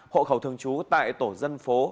hộ khẩu thường trú tại tổ dân phố